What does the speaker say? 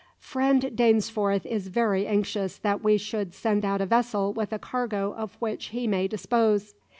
"Friend Dainsforth is very anxious that we should send out a vessel with a cargo of which he may dispose.